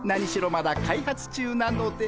まだ開発中なので。